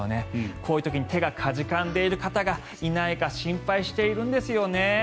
こういう時に手がかじかんでいる方がいないか心配なんですよね。